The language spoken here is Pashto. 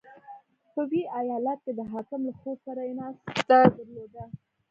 • په ویي ایالت کې د حاکم له خور سره یې ناسته درلوده.